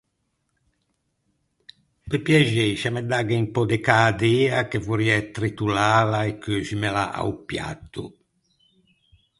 Pe piaxei, scià me dagghe un pö de cädæa che vorriæ tritollâla e cheuximela a-o piato.